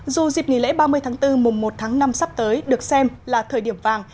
dù dịp nghỉ lễ ba mươi tháng bốn mùng một tháng năm sắp tới được xem là thời điểm vàng